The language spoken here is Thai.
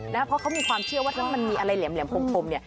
แล้วเขาก็มีความเชื่อว่าทั้งมันมีอะไรเหลี่ยมพมเนี้ย